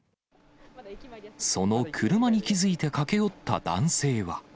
その車に気付いて駆け寄った男性